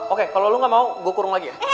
oke kalau lo gak mau gue kurung lagi ya